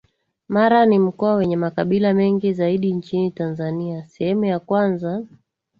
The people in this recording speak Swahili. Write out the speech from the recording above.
Mara ni mkoa wenye makabila mengi zaidi nchini Tanzania sehemu ya kwanza